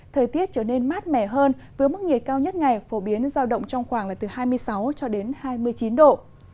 thời tiết trở nên mát mẻ hơn với mức nhiệt cao nhất ngày phổ biến giao động trong khoảng hai mươi sáu hai mươi chín độ